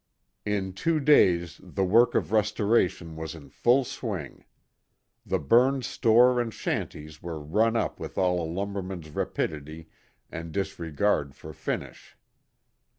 In two days the work of restoration was in full swing. The burned store and shanties were run up with all a lumberman's rapidity and disregard for finish.